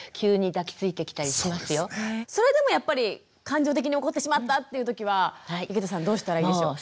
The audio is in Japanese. それでもやっぱり感情的に怒ってしまったっていうときは井桁さんどうしたらいいでしょう？